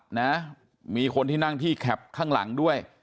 นะมีคนที่นั่งที่แคปข้างหลังด้วย